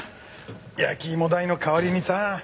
焼き芋代の代わりにさ。